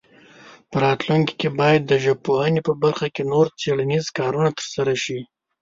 په راتلونکي کې باید د ژبپوهنې په برخه کې نور څېړنیز کارونه ترسره شي.